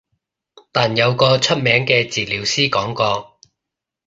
但有個出名嘅治療師講過